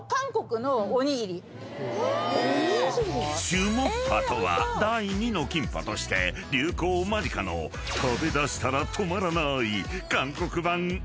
［チュモッパとは第２のキンパとして流行間近の食べだしたら止まらない］